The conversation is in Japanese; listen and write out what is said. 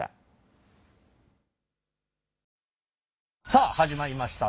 さあ始まりました